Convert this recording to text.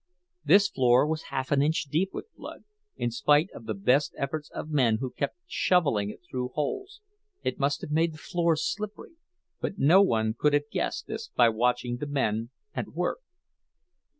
This floor was half an inch deep with blood, in spite of the best efforts of men who kept shoveling it through holes; it must have made the floor slippery, but no one could have guessed this by watching the men at work.